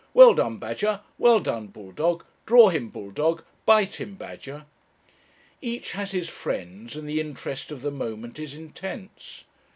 'Well done, badger! Well done, bull dog! Draw him, bulldog! Bite him, badger!' Each has his friends, and the interest of the moment is intense.